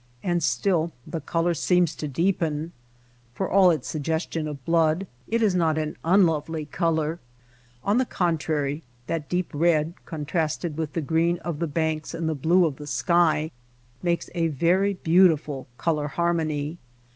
And still the color seems to deepen. For all its suggestion of blood it is not an unlovely color. On the contrary, that deep red contrasted with the green of the banks and the blue of the sky, makes a very beautiful color harmony.